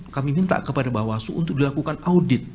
kami minta kepada bawaslu untuk dilakukan audit